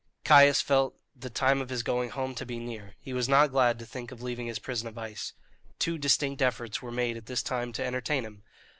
Caius felt the time of his going home to be near; he was not glad to think of leaving his prison of ice. Two distinct efforts were made at this time to entertain him.